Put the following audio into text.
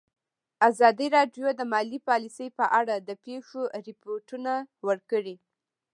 ازادي راډیو د مالي پالیسي په اړه د پېښو رپوټونه ورکړي.